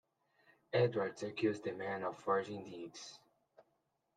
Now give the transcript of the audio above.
Edwards accused the men of forging deeds.